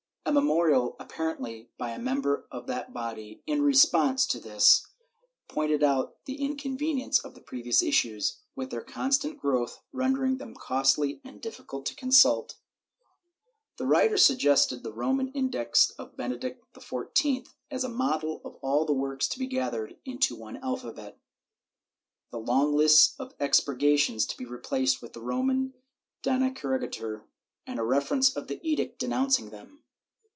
A me morial, apparently by a member of that body, in response to this, pointed out the inconvenience of the previous issues, with their constant growth, rendering them costly and difficult to consult. The writer suggested the Roman Index of Benedict XIV as a model — all the works to be gathered into one alphabet; the long lists of expurgations to be replaced with the Roman donee corri gatur and a reference to the edict denouncing them.